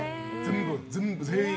全部、全員？